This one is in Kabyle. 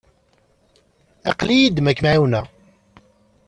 Aql-i yid-m ad kem-ɛiwneɣ.